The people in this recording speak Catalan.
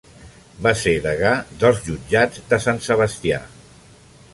Va ser Degà dels Jutjats de Sant Sebastià.